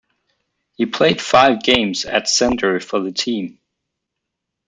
He played five games at center for the team.